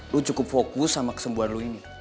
lu cukup fokus sama kesembuhan lu ini